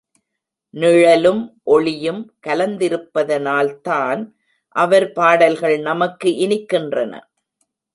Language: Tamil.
நிழலும் ஒளியும் கலந்திருப்பதனால்தான் அவர் பாடல்கள் நமக்கு இனிக்கின்றன.